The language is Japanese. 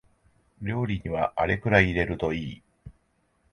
料理にはあれくらい入れるといい